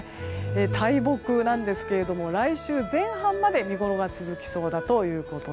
大木なんですが来週前半まで見ごろが続きそうです。